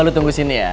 lo tunggu sini ya